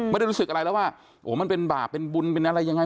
ไม่ได้รู้สึกอะไรแล้วว่าโอ้โหมันเป็นบาปเป็นบุญเป็นอะไรยังไง